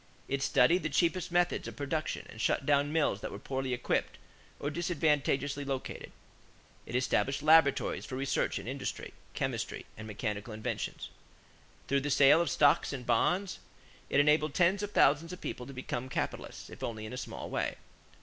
It studied the cheapest methods of production and shut down mills that were poorly equipped or disadvantageously located. It established laboratories for research in industry, chemistry, and mechanical inventions. Through the sale of stocks and bonds, it enabled tens of thousands of people to become capitalists, if only in a small way.